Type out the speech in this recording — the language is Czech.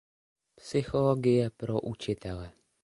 Psychologie pro učitele.